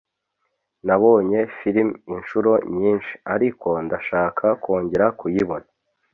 nabonye film inshuro nyinshi, ariko ndashaka kongera kuyibona